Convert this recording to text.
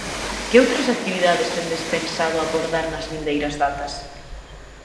Que outras actividades tendes pensado abordar nas vindeiras datas?